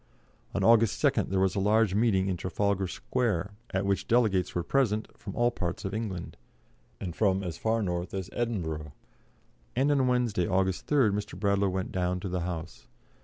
On August 2nd there was a large meeting in Trafalgar Square, at which delegates were present from all parts of England, and from as far north as Edinburgh, and on Wednesday, August 3rd, Mr. Bradlaugh went down to the House.